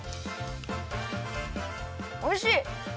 おいしい！